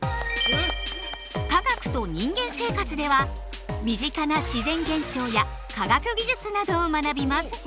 「科学と人間生活」では身近な自然現象や科学技術などを学びます。